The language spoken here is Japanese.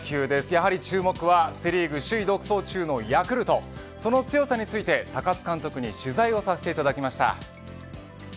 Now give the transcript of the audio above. やはり首位独走中のヤクルトその強さについて高津監督に取材させていただきました。